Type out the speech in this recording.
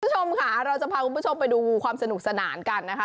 คุณผู้ชมค่ะเราจะพาคุณผู้ชมไปดูความสนุกสนานกันนะคะ